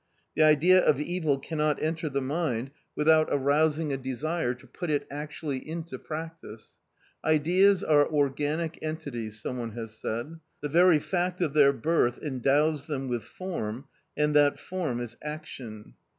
The idea of evil cannot enter the mind without arousing a desire to put it actually into practice. "Ideas are organic entities," someone has said. The very fact of their birth endows them with form, and that form is action.